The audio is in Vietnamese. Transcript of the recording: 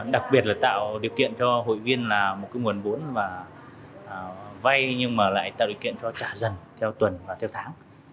đặc biệt là tạo điều kiện cho hội viên là một cái nguồn vốn mà vay nhưng mà lại tạo điều kiện cho trả dần theo tuần và theo tháng